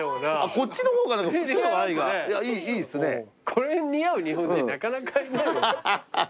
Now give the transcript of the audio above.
これ似合う日本人なかなかいないよ。